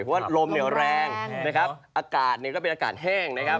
เพราะว่าลมแรงอากาศก็เป็นอากาศแห้ง